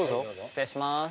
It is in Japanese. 失礼します。